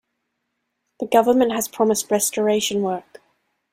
The government has promised restoration work.